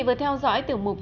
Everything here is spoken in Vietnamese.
một lần nữa